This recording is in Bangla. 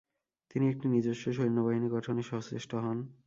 তিনি একটি নিজস্ব সৈন্য বাহিনী গঠনে সচেষ্ট হন।